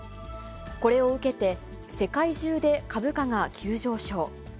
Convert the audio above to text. これを受けて、世界中で株価が急上昇。